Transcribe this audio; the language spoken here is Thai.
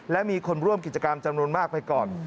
และมีคนร่วมกิจกรรมจำนวนมากไปก่อน